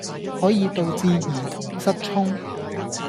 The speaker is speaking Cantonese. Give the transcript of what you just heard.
可以導致兒童失聰